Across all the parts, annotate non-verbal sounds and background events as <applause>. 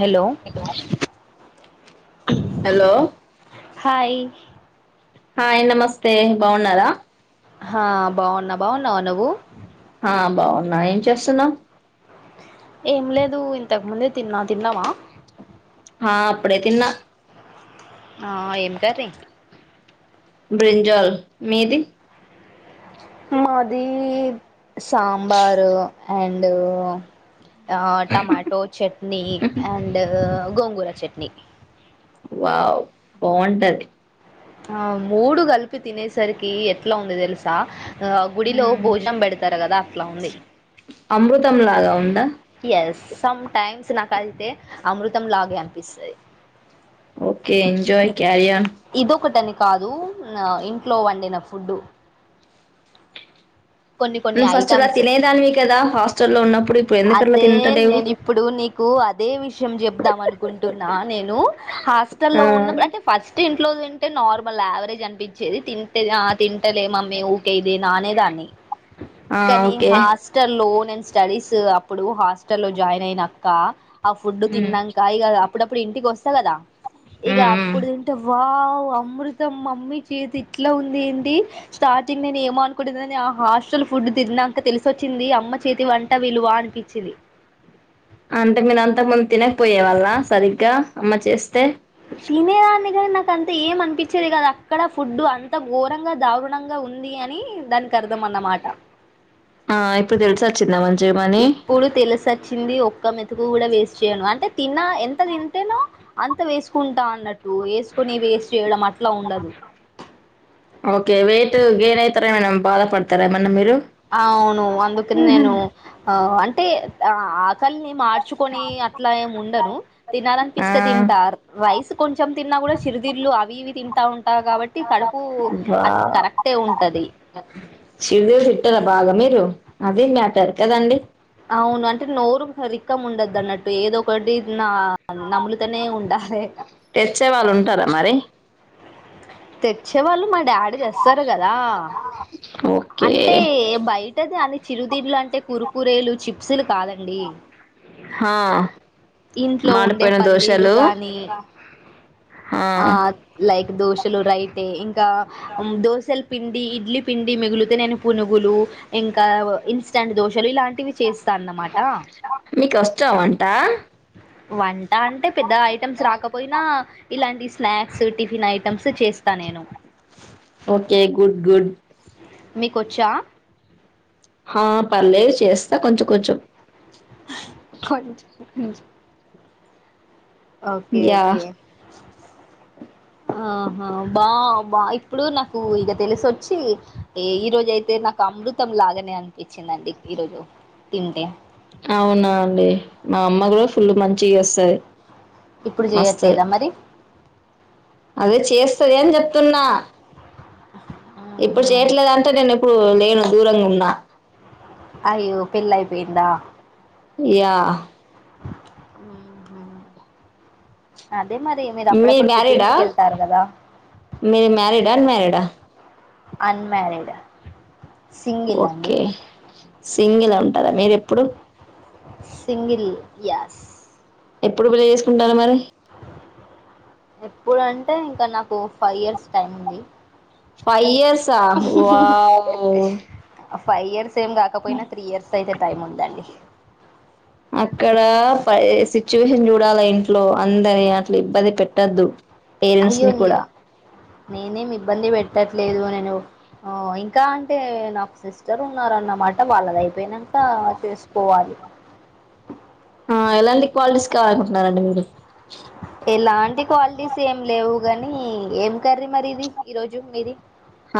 Hello hello hi hi నమస్తే బాగున్నారా హా బావున్నా బావున్నావ నువ్వు ఆ బావునా ఏం చేస్తున్నావు ఏం లేదు ఇంతక ముందే తిన్నా తిన్నావా హా అప్పుడే తిన్న ఆ ఏం కర్రీ బ్రింజల్ మీది మాది సాంబారు అండు ఆ tomato chutney and gongura chutney wow బాగుంటది ఆ మూడు కలిపి తినేసరికి ఎట్లా ఉందో తెలుసా ఆ గుడిలో భోజనం పెడతారు కదా అట్లా ఉంది అమృతం లాగా ఉందా ఎస్ సం టైమ్స్ నాకు అయితే అమృతం లాగే అనిపిస్తది ఓకే ఎంజాయ్ క్యారియన్ ఇదొకటని కాదు ఇంట్లో వండిన ఫుడ్ కొన్ని కొన్ని నువ్వు ఫస్ట్ అలా ఐటమ్స్ తినేదానివి కదా హాస్టల్లో ఉన్నప్పుడు ఇప్పుడు ఎందుకట్లా అదే తింటలేవు నేను ఇప్పుడు నీ కు అదే విషయం చెప్దాం అనుకుంటున్నా నేను ఆ హాస్టలో ఉన్నప్పుడు అంటే ఫస్ట్ ఇ ఇంట్లో తింటే నార్మల్ యావరేజ్ అనిపించేది తింటే తింటలే మమ్మీ ఊకే ఇదే నానే దాన్ని ఆ కానీ ఓకే హాస్టల్ లో నేను స్టడీస్ అప్పుడు హాస్టల్ లో జాయిన్ అయినక్క ఆ ఫుడ్ ఉమ్ తినంక ఇక అప్పుడప్పుడు ఇంటికి వస్తా కదా ఇక ఉమ్ ఉమ్ అప్పుడు తింటే వా అమృతం మమ్మీ చేతి ఇట్లా ఉంది ఏంటి స్టార్టింగ్ నేను ఏమో అనుకుంటననిగాని హాస్టల్ ఫుడ్ తిన్నాక తెలిసొచ్చింది అమ్మ చేతి వంట విలువా అనిపించింది అంటే మీరు అంతాక ముందు తినకపోయే వాళ్ళ సరిగ్గా అమ్మ చేస్తే తినేదాన్ని కానీ నాకు అంత ఏం అనిపించేది కాదు అక్కడ ఫుడ్ అంత ఘోరంగా దారుణంగా ఉంది అ అని దానికి అర్థం అన్నమాట ఆ ఇప్పుడు తెలుసివచ్చిందా మరి ఇప్పుడు తెలిసొచ్చింది ఒ క్క మెతుకు కూడా వేస్ట్ చేయను అంటే తిన్నా ఎంత తింటానో అంత వేసుకుంటా అన్నట్టు వేసుకొని వేస్ట్ చేయడం అట్లా ఉండదు ఓకే వెయిట్ గెయిన్ అయితారెమో అని బాధ పడతారా ఏమన్నా మీరు అవును అందుకని నేను ఆ అంటే ఆకలిని మా చూకొని అట్లా ఏం ఉండను ఆ! తినాలనిపిస్తే తింటా రైస్ కొంచెం తిన్నా కూడా సిరిదిర్లు అవి ఇవి తింటాం ఉమ్ ఆహ్ కరెక్టే ఉంటది శివేదా. బాగా మీరు అదే మీ <unintelligible> కదండి. అవును అంటే నోరు సరిగ్గా ఉండొద్దు అన్నట్టు ఏదో ఒకటి. నా నములుతనే ఉండాలి. తెచ్చేవాళ్ళు ఉంటారా మరి? తెచ్చేవాళ్ళు మా డాడీ తెస్తారు కదా ఓకే. అంటే బయటది అని చిరుదింలు అంటే కురకురేలు చిప్సులు కాదండి. ఆహ్. ఇంట్లో ఉండే పల్లీలు గాని. ఆ! ఆహ్ లైక్ దోశలు రైతే ఇంకా ఉమ్ దోశలు. పిండి ఇడ్లీ పిండి మిగిలితే నేను పునుగులు ఇంకా ఇన్స్టాంట్ దోశలు ఇలాంటివి చేస్. మీకు వస్తాదా వంట. వంట అంటే పెద్ద ఐటమ్స్ రాకపోయినా ఇలాంటి స్నాక్స్ టిఫిన్ ఐటమ్స్ చేస్తాను నేను. Okay good good. మీకొచ్చా. ఆహ్ పర్లేదు చేస్తా కొంచెం కొంచెం. ఆహ్ కొంచెం కొంచెం. Okay yeah! ఓకే. <inaudible> ఆహా బా బా ఇప్పుడు నాకు ఇంకా తెలిసొచ్చి ఈ రోజు అయితే. నాకు అమృతం లాగానే అనిపించిందండి ఈరోజు తింటే. అవునా అండి మా అమ్మ కూడా ఫుల్ మంచిగా చేస్తది. ఇప్పుడు మస్తు. చెయట్లేదా మరి. అదే చేస్తది అని చెప్తున్నా. ఇప్పుడు మ్మ్హ్మ్. చేయట్లేదు అంటే నేను ఇప్పుడు లేను దూరంగా ఉన్నా. అయ్యో పెళ్లేపోయిందా. యా. ఆహ్. అదే మరి మీరు అప్పుడప్పుడు పుట్టింటికేళ్తారు కదా. మీరు మ్యారీడా అన్ మ్యారీడా అన్మ్యారీడ్ సింగిల్ అండి. సింగిల్గా ఉంటారా మీరు ఎప్పుడు. Um yes. ఎప్పుడు పెళ్లి చేసుకుంటారు మరి. ఎప్పుడు అంటే ఇంకా నాకు ఫైవ్ ఇయర్స్ టైం ఉంది. ఫైవ్ ఇయర్సా వామ్మో. ఫైవ్ ఇయర్స్ ఏం కాకపోయినా త్రీ ఇయర్స్ అయితే టైం ఉందండి. అక్కడ పై సిచ్యువేషన్ చూడాలా ఇంట్లో అందరిని అట్లా ఇబ్బంది పెట్టొద్దు. పేరెంట్స్ ని కూడా. నేనేమి ఇబ్బంది పెట్టట్లేదు నేను ఆహ్ ఇంకా అంటే నాకు సిస్టర్ ఉందానమాట. అంటే వాళ్ళదైపోయినాక చేసుకోవాలి. <inaudible> ఆహ్ ఎలాంటి క్వాలిటీస్ కావాలనుకుంటున్నారండి మీరు. ఎలాంటి క్వాలిటీస్ ఏం లేవు గాని ఏం. కర్రీ మరి ఇది ఈరోజు మీది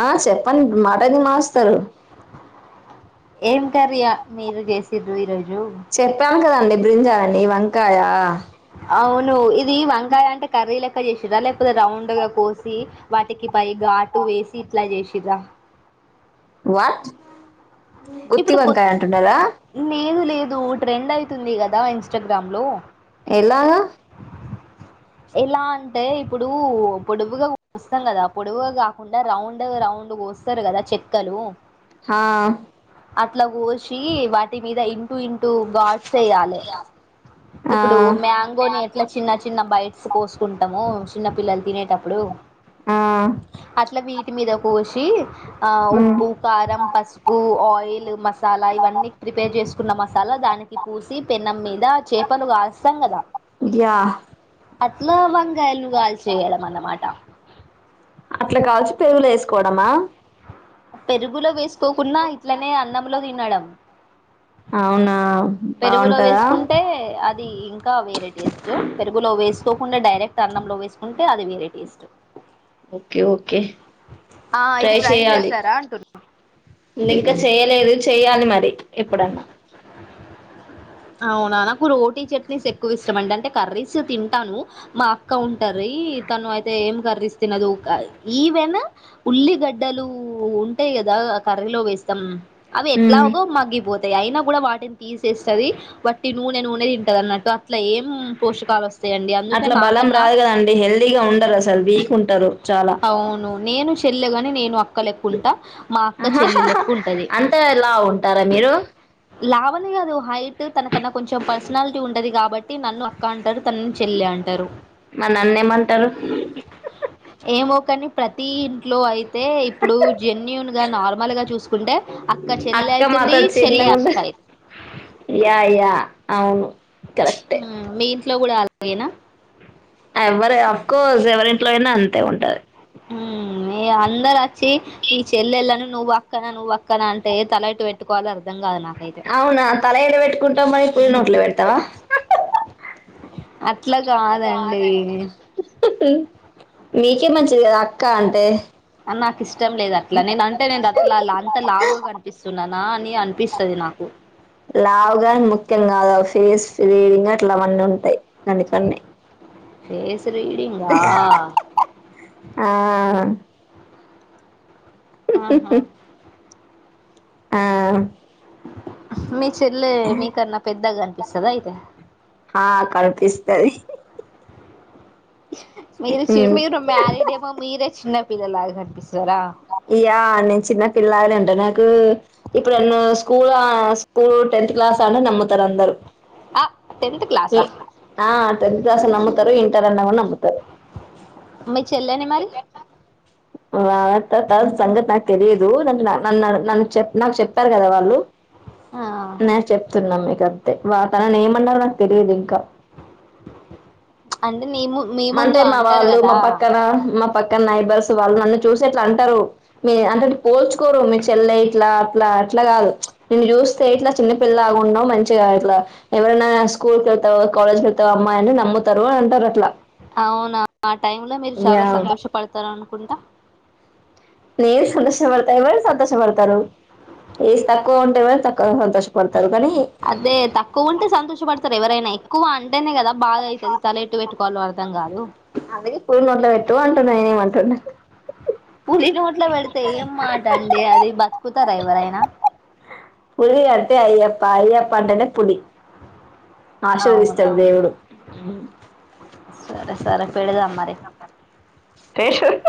ఆహ్ చెప్పండి మాట్లాడండి మాస్తారు. ఏం కర్రీ మీరు చేసుండ్రు ఈ రోజు. చెప్పాను కదండి బ్రింజాలని వంకాయ. అవును ఇది వంకాయ అంటే కర్రీల లెక్క చేసిన్రా లేకపోతే రౌండ్గా కోసి వాటికి పై ఘాటు వేసి ఇట్ల చేసిన్రా వాట్ గుత్తి వంకాయ అంటున్నరా? ఏదో ట్రెండ్ అయితుంది కదా ఇన్స్టాగ్రామ్లో ఎలాగా ఎలా అంటే ఇప్పుడు పొడువుగా కోస్తం కదా పొడువుగా కాకుండా రౌండ్ రౌం డు కోస్తరు కదా చెక్కలు హా అట్ల కోసి వాటి మీద ఇంటూ ఇంటూ గాడ్స్ ఎయ్యాలె ఆ ఇప్పుడు మ్యాంగోని ఎట్లా చిన్న చిన్న బైట్ కోస్కుంటమో చిన్న పిల్లల్ తినేటప్పుడు ఆ అట్ల వీటి మీద కోసి ఆ మ్ ఉప్పు, కారం, పసుపు, ఆయిల్, మస సాలా ఇవన్నీ ప్రిపేర్ చేసు కున్న మసాలా దానికి పూసి పెనం మీద చేపను కాలుస్తాం కదా అట్లా వం అట్ల కాల్చి పెరుగుల ఏస్కోవడమా పెరుగులో వేస్కోకున్నా ఇట్లనే అన్నంలో తినడం. అవునా పెరుగులో బాగుంటదా వేస్కుంటే అది ఇంకా వేరే టేస్ట్ పెరుగులో వే వేస్కోకుండా డైరెక్ట్ అన్నంలో వేసుకుంటే అది వేరే టేస్ట్ ఓకే ఓకే ఆ ఇది ట్రై చేశారా అంటున్న లే ఇంకా చెయలేదు చెయ్యాలి మరి ఎప్పుడన్నా అవునా నాకు రోటీ చట్నీస్ ఎక్కు ఇష్టం అండి అంటే కర్రీస్ తింటాను. మా అక్క ఉంటారు దీ తను అయితే ఏం కర్రీస్ తినదు ఈవెన్ ఉల్లిగడ్డలు ఉంటే కదా కర్రీలో వేస్తాం అవి మ్ ఎట్లాగో మగ్గిపోతయి అయినా గుడా వాటిని తీసేస్ స్తది. వట్టి నూనె నూనె తింటదన్నట్టు అట్ల ఏం పోషకాల్ వస్త అట్ల బలం రాదు కదండి హెల్దీగా ఉండరసల్ అవును నేను చెల్లగని నేను అక్ అక్క లెక్కుంటా మా అక్క చెల్లి ఆహాహాహా. లెక్కుంటది. అంత లావు ఉంటారా మీరు లావలే కాదు హైట్ తనకన్నా కొంచం పర్సనాలిటీ ఉండది కాబట్టి నన్ను అక్క అన్ టరు తనని చెల్లె అంటరు. మా నన్నేమంటారు ఏమో కని ప్రతి ఇంట్లో అయి తే ఇప్పుడు జెన్యూన్గా నార్మల్గా చూస్కుంటే అక్క చెల్లె అక్క అయితుంది మాతో చెల్లె అక్క చిన్నగుంటది అయితుంది యా యా అవును కరె మ్ మీ ఇంట్లో గుడా అలాగేనా ఇంట్లో అయినా అంతే ఉంటది. మ్ ఇగ అందరచ్చి ఈ చెల్లెళ్ళను నువ్వు అక్కన నువ్వు అక్కన అంటే తల ఎటు పెట్టుకోవాలో అ అవునా తల ఏడ పెట్టుకుంటవ్ మరి పులి నోట్ల పెడ్తవ. అట్ల కాదండి. నీకే మంచిది కదా అక్కా అంటే అన్ నాక్ ఇష్టం లేద్ అట్లా నేన్ అంటే నేను అట్లా అంత లావుగా కనిపిస్తున్ననా అని అనిపిస్తది నాకు లావుగా అని ముఖ్యం కాదు ఫేస్ రీడింగ్ అట్ల అవన్నీ ఉంటయి. దాని కన్నీ ఫేస్ రీడింగా ఆ ఆహా ఆహ్. మీకు. చెల్లే మీకన్నా పెద్దగా అనిపిస్తదా అయితే. ఆ కనిపిస్తది మీరు ఉమ్ మీరు మ్యారీడేమో మీరే చిన్న పిల్లలాగా అనిపిస్తు. యా నేను చిన్న పిల్లలగుంట నాకు ఇప్పుడు నన్ను స్కూలా. ఆహ్ స్కూల్ టెన్త్ క్లాస్ అన్న నమ్ముతారు అందరు. ఆ టెన్త్ క్లాసా ఆహ్ టెన్త్ క్లాస్ అన్న నమ్ముతారు ఇంటర్ అన్న నమ్ముతారు. మీ చెల్లెని మరి. ఆహ్ సంగతి నాకు తెలియదు నన్ను చెప్ నాకు చెప్పారు కదా వాళ్ళు. ఆ నేను చెప్తున్నా మీకు అంతే వా తననేమన్నారో నాకు తెలియదు ఇంకా. అం. అంటే మా వాళ్ళు మా పక్కన మా. పక్కన నైబర్స్ వాళ్ళు నన్ను చూసి ఇట్లా అంటారు మీ అంటే పోల్చుకోరు మీ చెల్లె ఇట్లా అట్లా. అట్లా కాదు నేను చూస్తే ఇట్లా చిన్న పిల్ల లాగా ఉన్నావ్ మంచిగా ఇట్లా ఎవరైనా స్కూల్ కి వెళ్తా. కాలేజ్ కేళ్త అమ్మాయి అని నమ్ముతారు అని అంటారు అట్లా. అవునా ఆ టైమ్ లో మీరు చాలా యా సంతోషపడతారు అనుకుంటా. నేను సంతోషపడతాను కాబట్టి సంతోష పడతారు. ఏజ్ తక్కువగా ఉంటే వాళ్ళు తక్కువ సంతోషపడతారు కానీ. అదే తక్కువ ఉంటే సంతోషపడతారు ఎవరైనా ఎక్కువ అంటేనే కదా. బాగా అయితది తలెట్టు పెట్టుకోవాలో అర్దం కాదు. అందుకే పులి నోట్లో పెట్టు అంటున్నా నేనేమంటున్నా పులి నోటిలో పెడితే ఏం మాట అండి అది బతుకుతారా ఎవరైనా. పులి అంటే అయ్యప్ప అయ్యప్పంటనే పులి. అవునా ఆశీర్వదిస్తాడు దేవుడు సరే సరే పెడదాం మరి. రేషన్.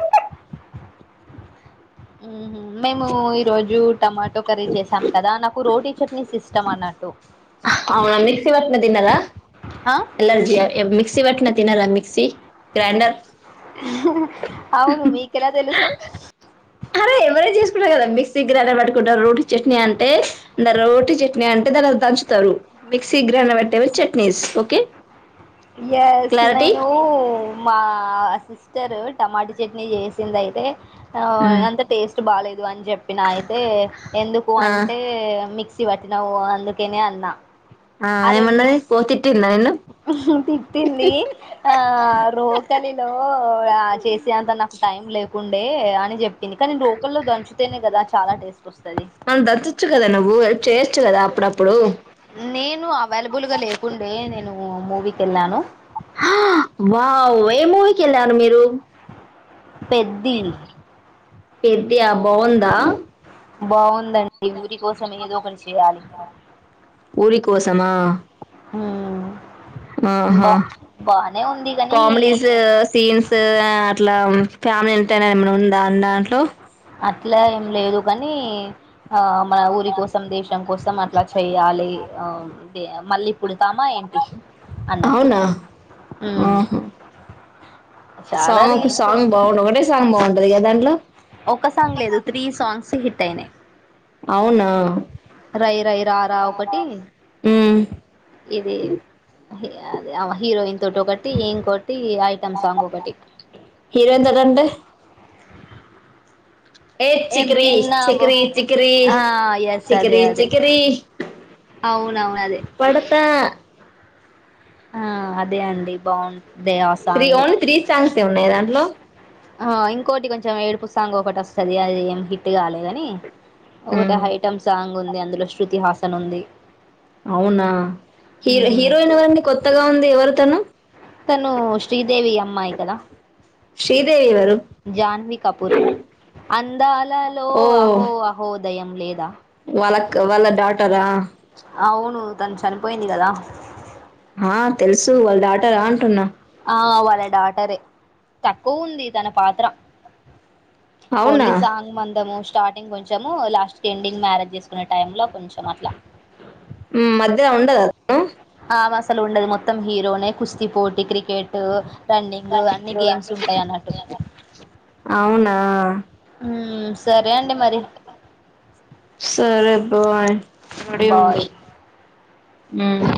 మేము ఈ రోజు టమాటో కర్రీ చేసాం కదా నాకు రోటీ చట్నీస్ ఇష్టం అన్నట్టు. అవునా మిక్స్ పట్టినది తిన్నాదా ఆ ఎలర్జీ ఆహ్ మిక్స్. మీక్స్ పట్టినవి తిన్నదా మిక్సి గ్రైండర్. ఆహ్ అవును మీకేల తెలుసు. అరే. ఎవరేన చేసుకుంటారు కదా మిక్సీ గ్రైండర్ పట్టుకుంటారు రోటీ చట్నీ అంటే రోటీ చట్నీ అంటే దానీలో దంచు. తరు మిక్సీ గ్రైండర్లో పట్టేవి చట్నీస్ ఓకే. ఎస్ క్లారిటీ నేను. మా సిస్టర్ టమాటా చట్నీ చేసింది అయితే ఆహ్ ఉమ్ అంత టేస్ట్. బాలేదు అని చెప్పిన అయితే ఎందుకు ఆ అంటే మిక్స్. మిక్సీ పట్టినవు అందుకేనే అన్న. ఆహ్ ఏమన్నాది పో తిట్టిందా. నిన్ను ఆహ్ తిట్టింది ఆహ్ రోకలిలో. ఆహ్ చేసే అంత నాకు టైం లేకుండే అని చెప్పింది కానీ రోకల్లో దంచుతేనే కదా చాలా టేస్ట్ వస్తది. మరి దచ్చోచ్చు కదా నువ్వు హెల్ప్ చేయొచ్చు కదా అప్పుడప్పుడు. నేను అవైలబుల్ గా లేకుండే నేను మూవీకి వెళ్ళాను. ఆహ్ వావ్ ఏ మూవీకి వెళ్ళారు మీరు. పెద్ది. పెద్దియా బాగుందా. బాగుందండి ఊరి కోసం ఏదో ఒకటి చేయాలి. ఊరి కోసమా. ఉ ఆహా ఉంది కాని కామెడీస్ సీన్స్ అట్లా ఫ్యామిలీ అంటనే ఏమనున్ దాని దాంట్లో అట్లా ఏం లేదు కానీ ఆ మన ఊరి కోసం, దేశం కోసం అట్లా చెయాలి ఆ తే మళ్ళీ పుడితామ ఏం టి అన్నట్టు అవునా ఉమ్ ఆహా చాలా సాంగ్ కు రీల్స్ సాంగ్ వస్తున్నాయి బావుంటంది ఒకటే సాంగ్ బావుంటది కదా దాంట్లో ఒక సాంగ్ లేదు త్రీ సాంగ్స్ హిట్ అయినాయి. అవునా రై రై రరా ఒకటి ఉమ్ ఇది హె అదే అమె హీరోయిన్ తొట ఒకట్టి ఏం కొట్టి ఐటమ్ సాంగ్ ఒకటి <inaudible> హీరోయిన్ తోటి అంటే ఏ ఏం చికిరి తిన్నావు చికిరి చికిరి ఆ ఎస్ అదే చికిరి అదే చికిరి అవునవును అదే పడతా ఆ అదే అండి బాన్ త్రీ గోన్ త్రీ సాంగ్స్ ఏ ఉన్నాయి దాంట్లో ఆ ఇంకోటి కొంచెం ఏడుపుసాంగ్ ఒకటి వస్తది. అది ఏమి హిట్ కాలే గాని ఒకటి హ ఐటమ్ సాంగ్ ఉంది. అందులో శ్రుతి హాసన్ ఉంది. అవునా హీ ఉమ్, హీరోయిన్ ఎవరండి కొత్తగా ఉంది ఎవరు తను? తను శ్రీదేవి అమ్మయి కదా శ్రీదేవి ఎవరు జాన్వీ కపూర్ అందలా లో ఓ అహో అహో దయం వాళ్ళ క్ వాళ్ళ డాటరా? అవును తను చనిపోయింది గదా ఆ తెలుసు వాళ్ళ ఆట రా అంటున్నా. ఆ వాళ్ళ డాటరే తక్కువ ఉంది తన పాత్ర అవునా ఓన్లీ సాంగ్ మందము స్టార్టింగ్ కొంచెము లాస్ట్ ఎండింగ్ మ్యారేజెస్ మన టైమ్లా కొంచెం అట్ల అ ఆ అసలు ఉండదు మొత్తం హీరోనే కుస్తీ పోటీ, క్రికెట్ ఓ రన్నింగ్ అన్ని గేమ్స్ ఉంటాయి అన్నట్టు అవునా మ్ సరే అండి మరి టు వన్ మడియూ ఉంది బాయ్ ఉంగా